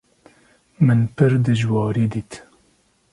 Min pir dijwarî dît.